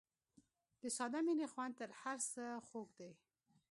د ساده مینې خوند تر هر څه خوږ دی.